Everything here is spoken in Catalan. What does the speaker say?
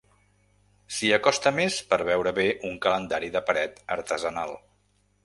S'hi acosta més per veure bé un calendari de paret artesanal.